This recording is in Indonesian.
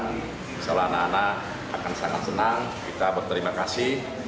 misalnya anak anak akan sangat senang kita berterima kasih